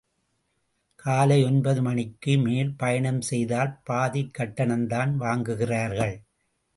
காலை ஒன்பது மணிக்கு மேல் பயணம் செய்தால் பாதிக் கட்டணம்தான் வாங்குகிறார்கள்.